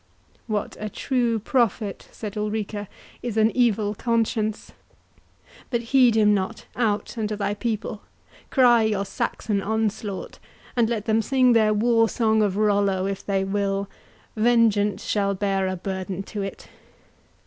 "What a true prophet," said Ulrica, "is an evil conscience! But heed him not—out and to thy people—Cry your Saxon onslaught, and let them sing their war song of Rollo, if they will; vengeance shall bear a burden to it."